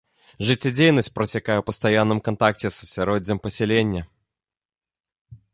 Жыццядзейнасць працякае ў пастаянным кантакце са асяроддзем пасялення.